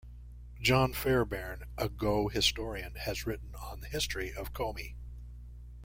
John Fairbairn, a Go historian, has written on the History of Komi.